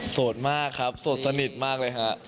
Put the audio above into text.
สดมากครับโสดสนิทมากเลยฮะ